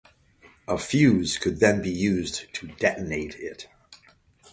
A fuse could then be used to detonate it.